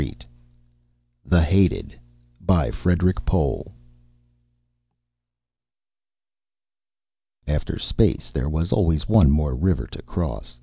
net THE HATED By PAUL FLEHR _After space, there was always one more river to cross